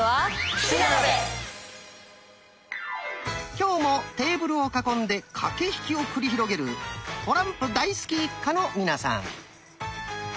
今日もテーブルを囲んで駆け引きを繰り広げるトランプ大好き一家の皆さん。